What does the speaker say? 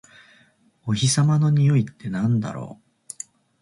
お日様のにおいってなんだろう？